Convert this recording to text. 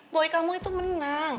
boy kamu itu menang